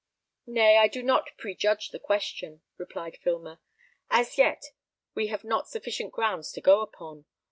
"Nay, I do not prejudge the question," replied Filmer. "As yet we have not sufficient grounds to go upon.